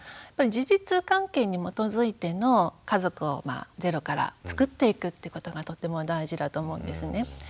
事実関係に基づいての家族をゼロからつくっていくってことがとっても大事だと思うんですね。